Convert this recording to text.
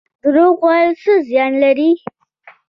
دروغ ویل څه زیان لري؟